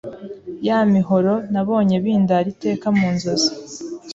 Ya mihoro nabonye bindara iteka mu nzozi